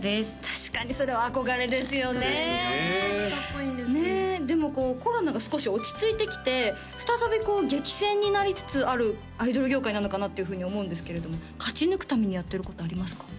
確かにそれは憧れですよねですねかっこいいんですでもコロナが少し落ち着いてきて再び激戦になりつつあるアイドル業界なのかなっていうふうに思うんですけれども勝ち抜くためにやってることありますか？